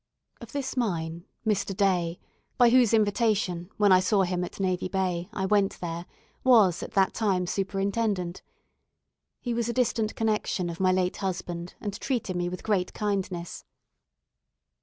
Of this mine Mr. Day by whose invitation, when I saw him at Navy Bay, I went there was at that time superintendent. He was a distant connection of my late husband, and treated me with great kindness.